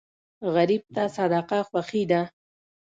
غریب ته صدقه خوښي ده